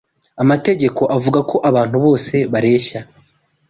Amategeko avuga ko abantu bose bareshya.